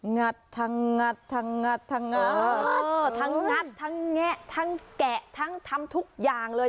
ัดทั้งงัดทั้งงัดทั้งงัดทั้งงัดทั้งแงะทั้งแกะทั้งทำทุกอย่างเลย